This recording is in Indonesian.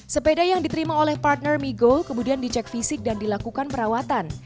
sepeda yang diterima oleh partner migo kemudian dicek fisik dan dilakukan perawatan